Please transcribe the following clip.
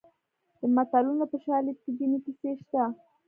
د متلونو په شالید کې دیني کیسې شته